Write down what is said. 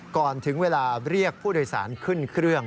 ก่อนถึงเวลาเรียกผู้โดยสารขึ้นเครื่อง